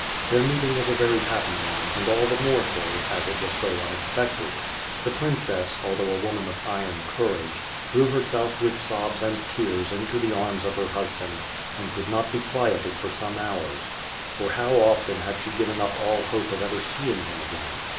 Their meeting was a very happy one and all the more so as it was so unexpected. The princess, although a woman of iron courage, threw herself with sol)3 and tears into the arms of her husband and could not be quieted for some hours; for how often had she given up all hope of ever seeing him again.